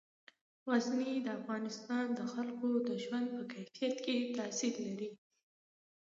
غزني د افغانستان د خلکو د ژوند په کیفیت تاثیر لري.